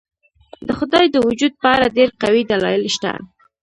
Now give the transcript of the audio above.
د خدای د وجود په اړه ډېر قوي دلایل شته.